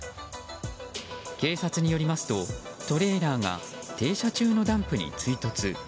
警察によりますと、トレーラーが停車中のダンプに追突。